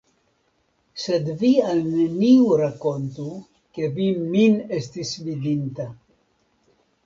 Sed vi al neniu rakontu, ke vi min estis vidinta!